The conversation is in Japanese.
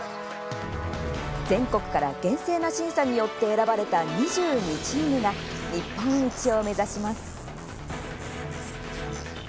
全国から厳正な審査によって選ばれた２２チームが日本一を目指します。